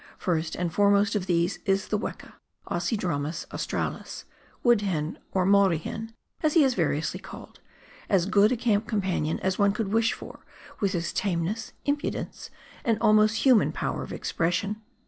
First and foremost of these is the weka [Ocydronms Aus tralis), wood hen or Maori hen, as he is variously called, as good a camp companion as one could wish for, with his tame ness, impudence, and almost human power of expression.